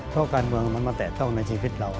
เพราะการเมืองมันมาแตะต้องในชีวิตเรา